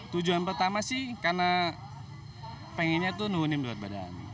tujuan pertama sih karena pengennya tuh nuhunim berat badan